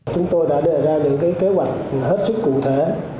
chúng tôi đã đề ra những kế hoạch hết sức cụ thể